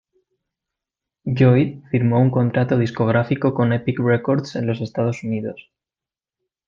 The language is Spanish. Lloyd firmó un contrato discográfico con Epic Records en los Estados Unidos.